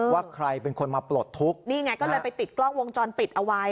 ว่าใครเป็นคนมาปลดทุกข์นี่ไงก็เลยไปติดกล้องวงจรปิดเอาไว้